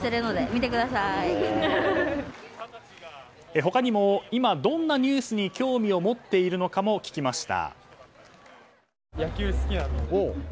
他にも、今どんなニュースに興味を持っているかも聞きました。